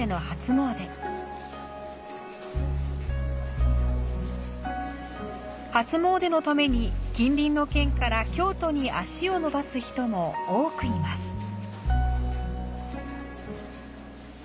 初詣のために、近隣の県から京都に足を延ばす人も多くいます。